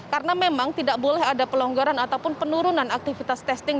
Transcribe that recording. karena memang tidak boleh ada pelonggaran ataupun penurunan aktivitas testing